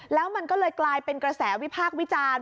แล้วมันก็เลยกลายเป็นกระแสวิพากษ์วิจารณ์